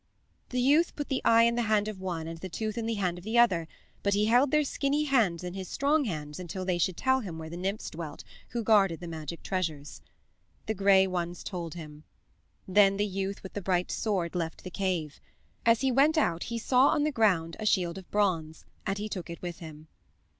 The youth put the eye in the hand of one and the tooth in the hand of the other, but he held their skinny hands in his strong hands until they should tell him where the nymphs dwelt who guarded the magic treasures. The Gray Ones told him. Then the youth with the bright sword left the cave. As he went out he saw on the ground a shield of bronze, and he took it with him.